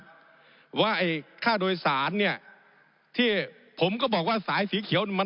ผมอภิปรายเรื่องการขยายสมภาษณ์รถไฟฟ้าสายสีเขียวนะครับ